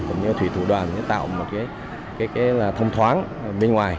cũng như thủy thủ đoàn để tạo một thông thoáng bên ngoài